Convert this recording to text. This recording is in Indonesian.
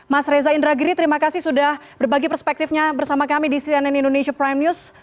mas reza indragiri terima kasih sudah berbagi perspektifnya bersama kami di cnn indonesia prime news